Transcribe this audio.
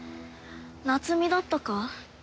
夏美だったか？